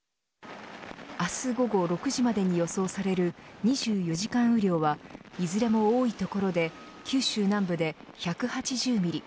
明日午後６時までに予想される２４時間雨量はいずれも多い所で九州南部で１８０ミリ